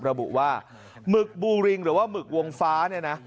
ระบุว่าหมึกบูริงหรือว่าหมึกวงฟ้า